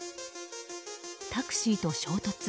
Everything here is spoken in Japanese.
タクシーと衝突。